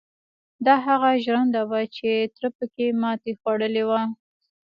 دا هغه ژرنده وه چې تره پکې ماتې خوړلې وه.